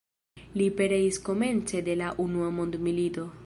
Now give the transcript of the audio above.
Li pereis komence de la Unua mondmilito.